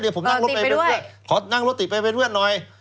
เดี๋ยวผมนั่งรถไปเออติดไปด้วยขอนั่งรถติดไปเพื่อนหน่อย